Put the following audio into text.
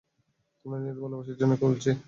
তোমার নিজের ভালোর জন্যেই বলছি।